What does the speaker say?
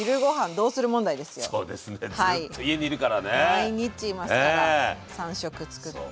毎日いますから３食つくって。